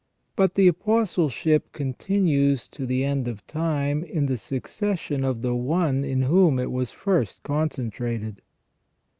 But the apostleship continues to the end of time in the succession of the one in whom it was first concentrated.